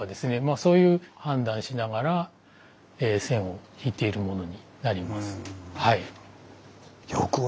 そういう判断しながら線を引いているものになります。